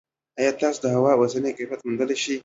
ایا تاسو د هوا اوسنی کیفیت موندلی شئ؟